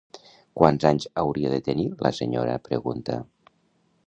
Quants anys hauria de tenir la senyora? —pregunta.